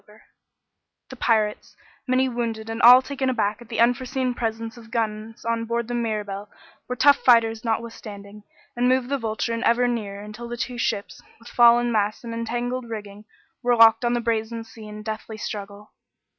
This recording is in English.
The pirates, many wounded and all taken aback at the unforeseen presence of guns on board the Mirabelle, were tough fighters notwithstanding, and moved the Vulture in ever nearer until the two ships, with fallen masts and entangled rigging, were locked on the brazen sea in deathly struggle.